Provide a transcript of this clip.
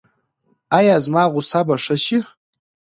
ایا زما غوسه به ښه شي؟